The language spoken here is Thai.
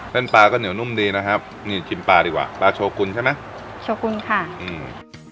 ปลาก็เหนียวนุ่มดีนะครับนี่ชิมปลาดีกว่าปลาโชกุลใช่ไหมโชกุลค่ะอืม